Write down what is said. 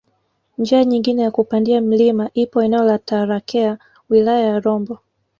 Njia nyingine ya kupandia mlima ipo eneo la Tarakea wilaya ya Rombo